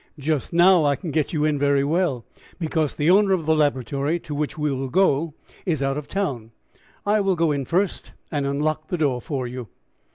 Just now I can get you in very well because the owner of the laboratory to which we will go is out of town. I will go in first and unlock the door for you."